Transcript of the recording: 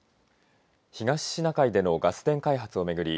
東シナ海でのガス田開発を巡り